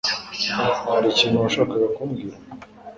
Hari ikintu washakaga kumbwira?